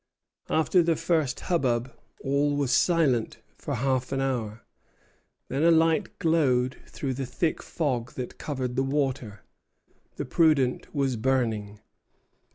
After the first hubbub all was silent for half an hour. Then a light glowed through the thick fog that covered the water. The "Prudent" was burning.